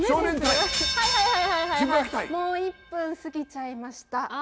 はいはいもう１分過ぎちゃいました。